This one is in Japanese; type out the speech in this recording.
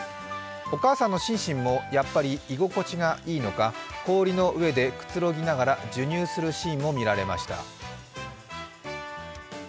お母さんのシンシンも、やっぱり居心地がいいのか氷の上でくつろぎながら授乳するシーンも見られました。